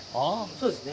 そうですね。